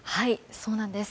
そうなんです。